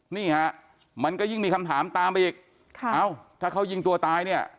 นี่ฮะมันก็ยิ่งมีคำถามตามไปอีกค่ะเอ้าถ้าเขายิงตัวตายเนี่ย